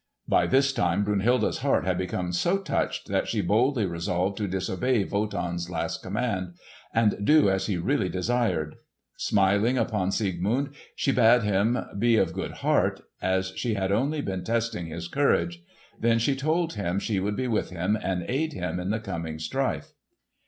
By this time Brunhilde's heart had become so touched that she boldly resolved to disobey Wotan's last command, and do as he really desired. Smiling upon Siegmund, she bade him be of good heart, as she had only been testing his courage. Then she told him she would be with him and aid him in the coming strife.